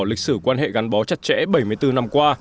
lịch sử quan hệ gắn bó chặt chẽ bảy mươi bốn năm qua